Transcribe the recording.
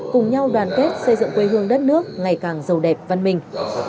cùng nhau đoàn kết xây dựng quê hương đất nước ngày càng giàu đẹp văn minh